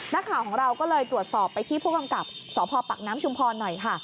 นักข่าวของเราก็เลยตรวจสอบไปที่ผู้กำกับสพปักน้ำชุมพรหน่อยค่ะ